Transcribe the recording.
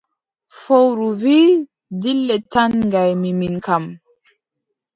Fowru wii: dile tan ngaymi min kam!